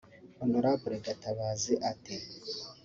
Hon Gatabazi ati